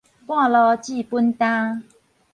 半路折扁擔